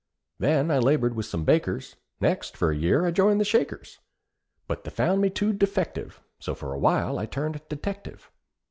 Then I laboured with some bakers, Next, for a year, I joined the Shakers; But they found me too defective, So for a while I turned detective.